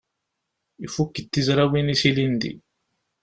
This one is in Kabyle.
Ifukk-d tizrawin-is ilindi.